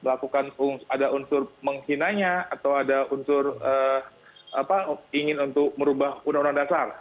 ada unsur menghinanya atau ada unsur ingin untuk merubah undang undang dasar